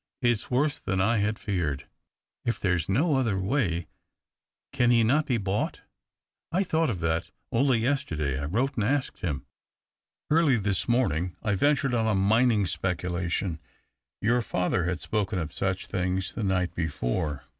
" It's worse than I had feared. Is there no other way ? Can he not be bought ?"" I thought of that — only yesterday I wrote and asked him. Early this morning I ventured on a mining speculation — your father had spoken of such things the night before.